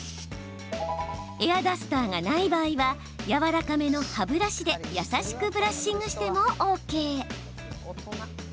エアダスターがない場合はやわらかめの歯ブラシで優しくブラッシングしてもＯＫ。